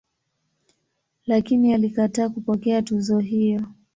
Lakini alikataa kupokea tuzo hiyo.